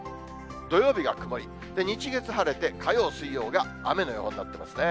土曜日が曇り、日月晴れて、火曜水曜が雨の予報になってますね。